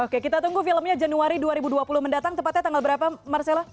oke kita tunggu filmnya januari dua ribu dua puluh mendatang tepatnya tanggal berapa marcella